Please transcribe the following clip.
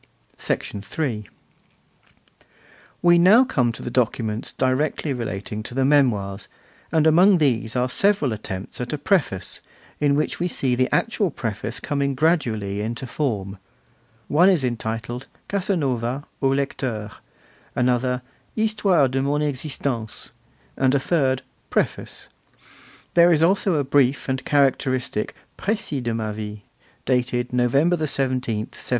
III. We come now to the documents directly relating to the Memoirs, and among these are several attempts at a preface, in which we see the actual preface coming gradually into form. One is entitled 'Casanova au Lecteur', another 'Histoire de mon Existence', and a third Preface. There is also a brief and characteristic 'Precis de ma vie', dated November 17, 1797.